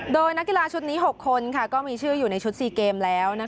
โดยนักกีฬาชุดนี้๖คนก็มีชื่ออยู่ในชุด๔เกมแล้ว